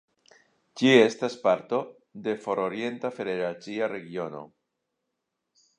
Ĝi estas parto de For-orienta federacia regiono.